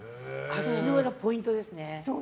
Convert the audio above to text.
足の裏、ポイントですね。